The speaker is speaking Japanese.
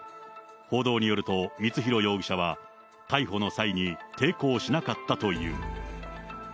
報道によると、光弘容疑者は、逮捕の際に抵抗しなかったという。